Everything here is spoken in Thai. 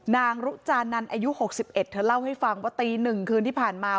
รุจานันอายุ๖๑เธอเล่าให้ฟังว่าตี๑คืนที่ผ่านมา